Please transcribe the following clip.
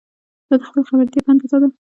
دا د خپلې خبرتیا په اندازه ده.